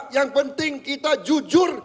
yang penting kita jujur